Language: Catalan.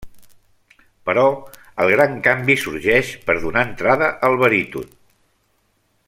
Però el gran canvi sorgeix per donar entrada al baríton.